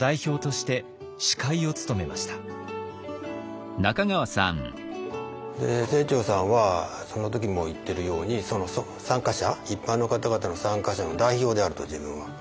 ６８歳の清張はそこで清張さんはその時も言ってるようにその参加者一般の方々の参加者の代表であると自分は。